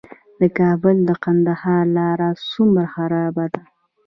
د کابل - کندهار لاره څومره خرابه ده؟